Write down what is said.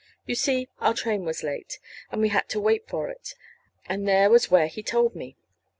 You see, our train was late, and we had to wait for it; and there was where he told me.